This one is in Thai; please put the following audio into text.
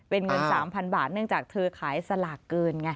เป็นเงิน๓๐๐บาทเนื่องจากเธอขายสลากเกินไง